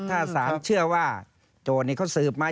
ถ้าสารเชื่อว่าโจรสืบมา